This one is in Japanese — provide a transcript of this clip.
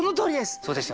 そうですよね。